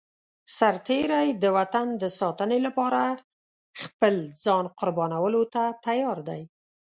سرتېری د وطن د ساتنې لپاره خپل ځان قربانولو ته تيار دی.